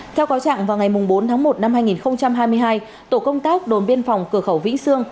theo cáo trạng vào ngày bốn tháng một năm hai nghìn hai mươi hai tổ công tác đồn biên phòng cửa khẩu vĩnh sương